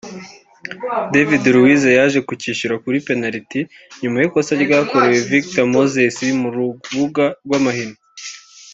David Luiz yaje kucyishyura kuri penaliti nyuma y’ikosa ryakorewe Victor Moses mu rubuga rw’amahina